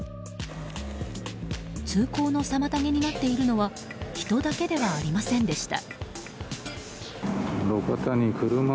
通行の妨げになっているのは人だけではありませんでした。